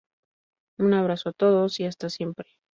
Un abrazo a todos y hasta siempre.